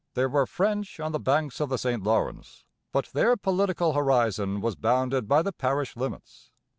There were French on the banks of the St Lawrence, but their political horizon was bounded by the parish limits.